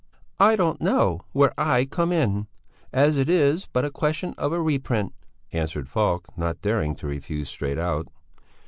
"I don't know where I come in, as it is but a question of a reprint," answered Falk, not daring to refuse straight out.